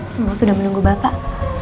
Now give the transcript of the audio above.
semua sudah menunggu bapak